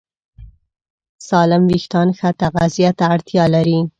سالم وېښتيان ښه تغذیه ته اړتیا لري.